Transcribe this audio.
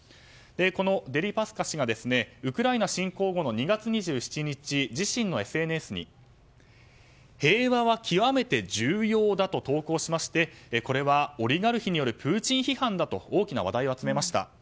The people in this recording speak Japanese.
このデリパスカ氏がウクライナ侵攻後の２月２７日、自身のＳＮＳに平和は極めて重要だと投稿しましてこれはオリガルヒによるプーチン批判だと大きな話題を集めました。